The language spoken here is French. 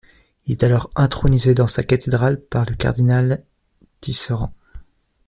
Il est alors intronisé dans sa cathédrale par le cardinal Tisserant.